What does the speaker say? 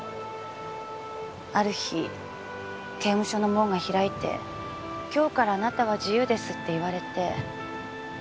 ある日刑務所の門が開いて「今日からあなたは自由です」って言われて。